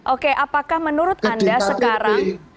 oke apakah menurut anda sekarang